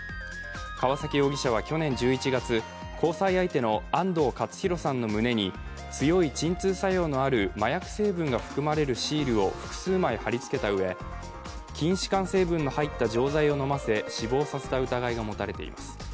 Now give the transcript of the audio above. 川崎容疑者は去年１１月交際相手である安藤勝弘さんの胸に強い鎮痛作用のある麻薬成分が含まれるシールを複数枚貼り付けたうえ、筋しかん成分の入った錠剤を飲ませ死亡させた疑いが持たれています。